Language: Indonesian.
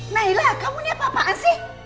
nailah kamu ini apa apaan sih